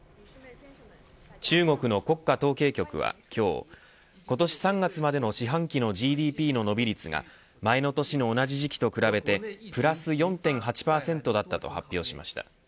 中国の国家統計局は今日今年３月までの四半期のＧＤＰの伸び率が前の年の同じ時期と比べてプラス４．８％だったと発表しました。